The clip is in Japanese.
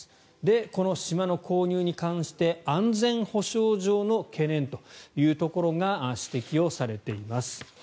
この島の購入に関して安全保障上の懸念というところが指摘をされています。